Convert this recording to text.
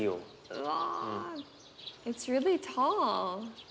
うわ。